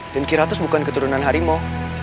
dan kiratus bukan keturunan harimau